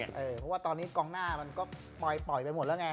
เพราะว่าตอนนี้กองหน้ามันก็ปล่อยไปหมดแล้วไง